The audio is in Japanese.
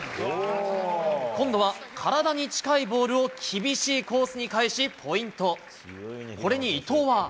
今度は体に近いボールを厳しいコースに返し、ポイント。